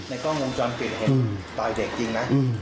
ในกล้องวงจรปิดุเห็นต่อเด็กจริงนะ